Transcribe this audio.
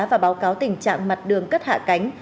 và báo cáo tình trạng mặt đường cất hạ cánh